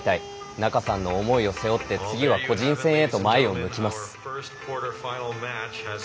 仲さんの思いを背負って次は個人戦へと前を向きます。